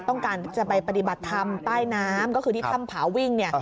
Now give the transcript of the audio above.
ต้องการจะไปปฏิบัติธรรมใต้น้ำก็คือที่ถ้ำผาวิ่งเนี่ย